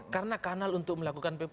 karena kanal untuk melakukan people power